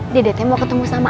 jangan peduli peduli cuman